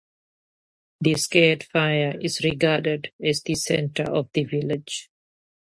The sacred fire is regarded as the center of the village.